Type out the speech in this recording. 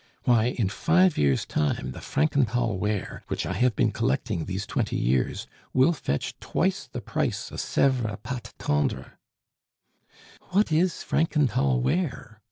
Why, in five years' time, the Frankenthal ware, which I have been collecting these twenty years, will fetch twice the price of Sevres pata tendre." "What is Frankenthal ware?"